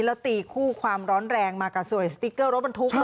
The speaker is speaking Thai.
แล้วตีคู่ความร้อนแรงมากับสวยสติ๊กเกอร์รถบรรทุก